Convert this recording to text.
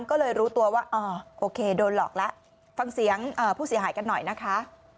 ก็เลยรู้ตัวว่าอ๋อโอเคโดนหลอกแล้วฟังเสียงผู้เสียหายกันหน่อยนะคะ